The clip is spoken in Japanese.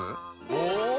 お！